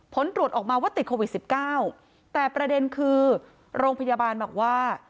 ผลตรวจออกมาว่าติดโควิด๑๙แต่ประเด็นคือโรงพยาบาลบอกว่า